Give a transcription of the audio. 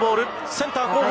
センター後方！